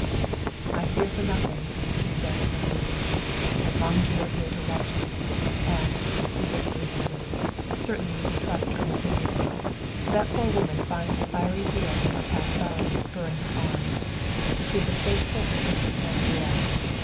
"I fear for nothing," he said, smiling faintly, "as long as you are here to watch it. And," he hastily added, "certainly you can trust Irma Gluyas! That poor woman finds a fiery zeal from her past sorrows spurring her on. She is a faithful assistant manageress.